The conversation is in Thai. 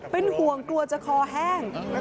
เป็นห่วงกลัวจะคอแห้ง